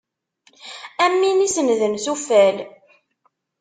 Am win isennden s uffal.